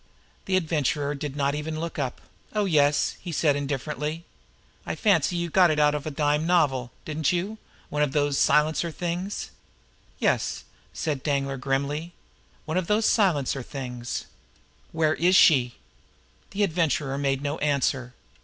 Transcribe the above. The Adventurer did not even look up. "Oh, yes," he said indifferently. "I fancy you got it out of a dime novel, didn't you? One of those silencer things." "Yes," said Danglar grimly; "one of those silencer things. Where is she?" The Adventurer made no answer.